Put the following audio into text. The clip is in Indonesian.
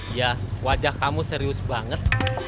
ya wajah kamu serius banget